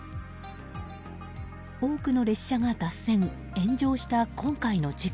多くの列車が脱線炎上した今回の事故。